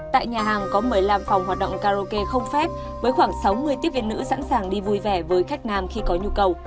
tại nhà hàng có một mươi năm phòng hoạt động karaoke không phép với khoảng sáu mươi tiếp viên nữ sẵn sàng đi vui vẻ với khách nam khi có nhu cầu